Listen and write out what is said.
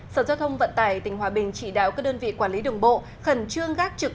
sở giao thông vận tải tỉnh hòa bình chỉ đạo các đơn vị quản lý đường bộ khẩn trương gác trực